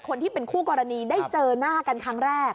คนที่เป็นคู่กรณีได้เจอหน้ากันครั้งแรก